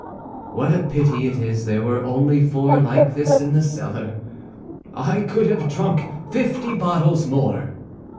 "What a pity it is there were only four like this in the cellar. I could have drunk fifty bottles more."